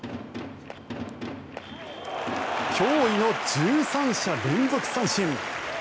驚異の１３者連続三振。